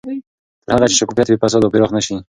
تر هغه چې شفافیت وي، فساد به پراخ نه شي.